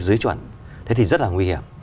dưới chuẩn thế thì rất là nguy hiểm